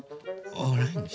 オーレンジ！